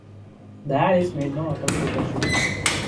The allies made no attempt to pursue them.